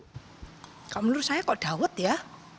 kalau menurut saya kok dawet ya